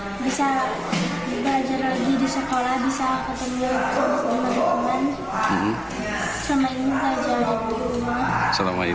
belajar lagi di sekolah bisa ketemu dengan teman